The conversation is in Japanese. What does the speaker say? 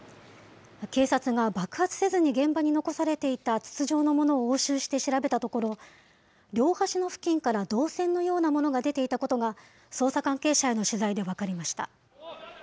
警察が爆発せずに現場に残されていた筒状のものを押収して調べたところ、両端の付近から導線のようなものが出ていたことが、捜査関係者への取材で分かりました。